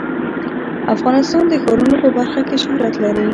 افغانستان د ښارونو په برخه کې شهرت لري.